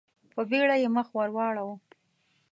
په بېړه يې مخ ور واړاوه.